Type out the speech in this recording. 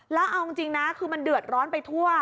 แล้วเอาจริงนะคือมันเดือดร้อนไปทั่ว